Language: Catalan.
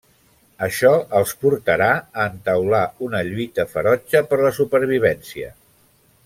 Això els portarà a entaular una lluita ferotge per la supervivència.